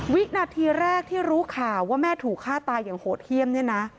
วินาทีแรกที่รู้ข่าวว่าแม่ถูกฆ่าตายอย่างโหดเยี่ยมเนี่ยนะ